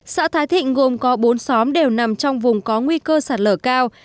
xã thái thịnh gồm có bốn xóm đều nằm trong vùng có nguy cơ sạt lở cao